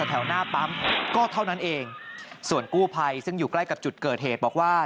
แถวหน้าปั๊มก็เท่านั้นเองส่วนกู้ภัยซึ่งอยู่ใกล้กับจุดเกิดเหตุบอกว่า